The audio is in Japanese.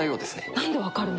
なんで分かるの？